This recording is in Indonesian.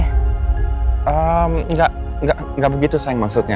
ehm gak begitu sayang maksudnya